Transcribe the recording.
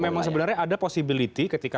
jadi memang sebenarnya ada posibilitas